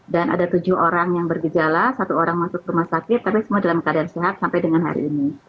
dan ada tujuh orang yang bergejala satu orang masuk rumah sakit tapi semua dalam keadaan sehat sampai dengan hari ini